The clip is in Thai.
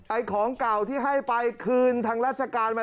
ของเก่าที่ให้ไปคืนทางราชการมา